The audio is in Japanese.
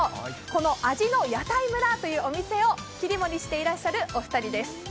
この味の屋台村というお店を切り盛りしてらっしゃる２人です。